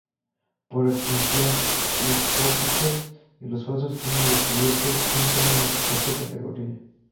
Por extensión, los pórticos y los falsos túneles cubiertos entran en esta categoría.